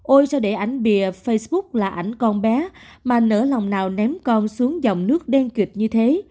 ôi sẽ để ảnh bìa facebook là ảnh con bé mà nở lòng nào ném con xuống dòng nước đen kịch như thế